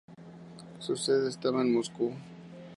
Su sede estaba en Moscú.